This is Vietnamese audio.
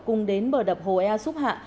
cùng đến bờ đập hồ ea xúp hạ